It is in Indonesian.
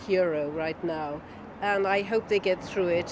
karena saya bersama dengan ukraina orang orang ini luar biasa